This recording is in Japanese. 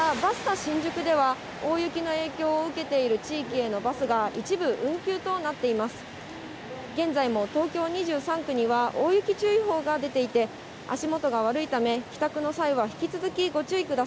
新宿では、大雪の影響を受けている地域へのバスが、一部運休となっています。